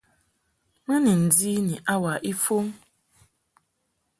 Mɨ ni ndi ni hour ifɔm.